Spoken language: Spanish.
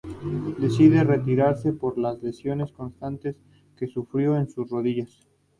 Decide retirarse por las lesiones constantes que sufrió en sus rodillas.